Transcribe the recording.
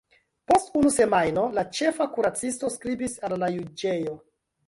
Post unu semajno la ĉefa kuracisto skribis al la juĝejo.